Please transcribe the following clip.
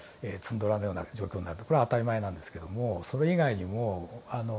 これは当たり前なんですけどもそれ以外にもいわゆる五感ですね